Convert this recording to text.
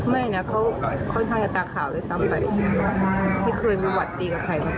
แม่คนไหนที่อยากให้จุดจบลูกไปตรงนี้